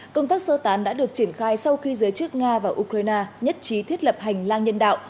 công tác sơ tán đã được triển khai sau khi giới chức nga và ukraine nhất trí thiết lập hành lang nhân đạo